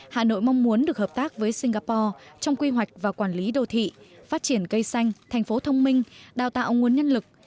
hà nội mong muốn được hợp tác với singapore trong quy hoạch và quản lý đô thị phát triển cây xanh thành phố thông minh đào tạo nguồn nhân lực